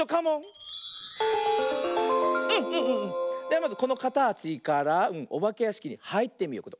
ではまずこのかたちからおばけやしきにはいってみよう。